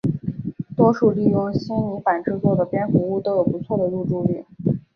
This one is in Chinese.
多数利用纤泥板制作的蝙蝠屋都有不错的入住率。